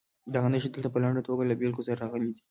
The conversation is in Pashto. دغه نښې دلته په لنډه توګه له بېلګو سره راغلي دي.